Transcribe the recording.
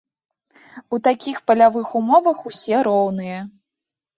У такіх палявых умовах ўсе роўныя.